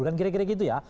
kan kira kira gitu ya